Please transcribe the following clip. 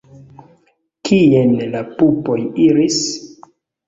Kien la pupoj iris?